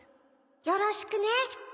よろしくね。